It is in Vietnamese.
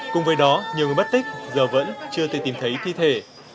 cùng với đó nhiều người mất tích giờ vẫn chưa thể tìm thấy thi thể